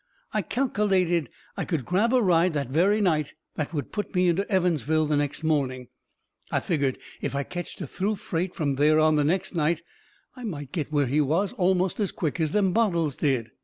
I calkelated I could grab a ride that very night that would put me into Evansville the next morning. I figgered if I ketched a through freight from there on the next night I might get where he was almost as quick as them bottles did.